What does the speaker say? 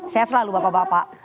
saya selalu bapak bapak